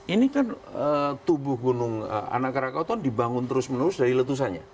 ini kan tubuh gunung anak rakau dibangun terus menerus dari letusannya